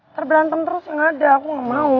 terberantem terus ya gak ada aku gak mau